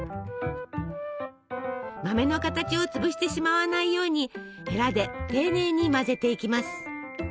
豆の形を潰してしまわないようにヘラで丁寧に混ぜていきます。